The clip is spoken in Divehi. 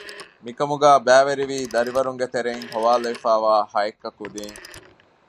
މިކަމުގައި ބައިވެރިވީ ދަރިވަރުންގެ ތެރެއިން ހޮވާލެވިފައިވާ ހައެއްކަ ކުދީން